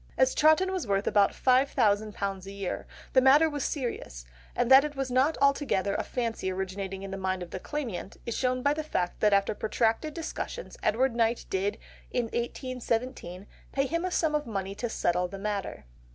As Chawton was worth about £5000 a year, the matter was serious, and that it was not altogether a fancy originating in the mind of the claimant, is shown by the fact that after protracted discussions, Edward Knight did, in 1817, pay him a sum of money to settle the matter.